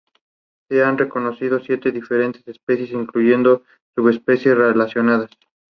Se han reconocido siete diferentes especies, incluyendo subespecies relacionadas.